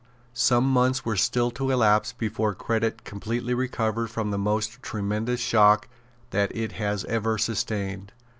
Some months were still to elapse before credit completely recovered from the most tremendous shock that it has ever sustained.